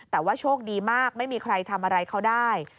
แต่ว่าโชคดีมากไม่มีใครทำอะไรเขาได้